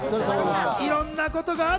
いろんなことがあった。